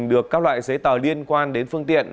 được các loại giấy tờ liên quan đến phương tiện